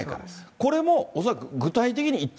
これも恐らく、具体的に言って。